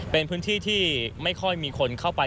เป็นพื้นที่ที่ไม่ค่อยมีคนเข้าไป